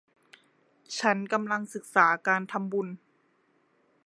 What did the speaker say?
ฉันกำลังศึกษาการทำบุญ